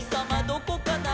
どこかな？」